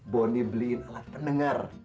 bonny beliin alat pendengar